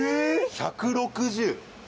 １６０！？